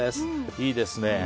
いいですね。